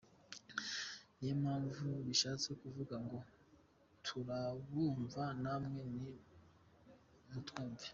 Niyo mpamvu bishatse kuvuga ngo ‘Turabumva namwe ni mu twumve’.